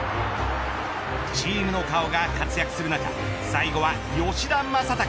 チームの顔が活躍する中最後は吉田正尚。